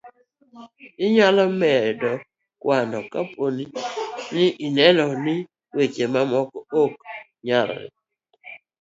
inyalo medo kwanno kapo ni ineno ni weche mamoko go nyalo konyo